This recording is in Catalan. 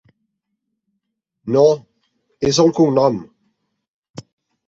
No, és el cognom.